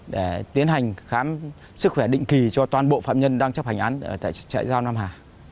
để tiến hành khám sức khỏe định kỳ cho toàn bộ phạm nhân đang chấp hành án tại trại giam nam hà